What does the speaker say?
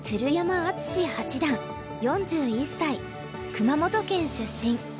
熊本県出身。